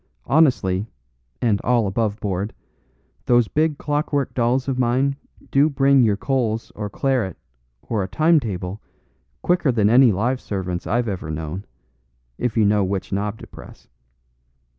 Honestly, and all above board, those big clockwork dolls of mine do bring your coals or claret or a timetable quicker than any live servants I've ever known, if you know which knob to press.